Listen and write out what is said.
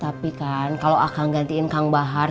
tapi kan kalau akan gantiin kang bahar